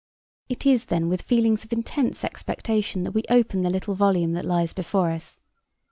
It is then with feelings of intense expectation that we open the little volume that lies before us.